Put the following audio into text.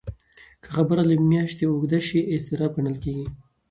که خبره له میاشتې اوږده شي، اضطراب ګڼل کېږي.